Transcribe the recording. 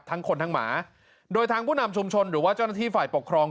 ทั้งคนทั้งหมาโดยทางผู้นำชุมชนหรือว่าเจ้าหน้าที่ฝ่ายปกครอง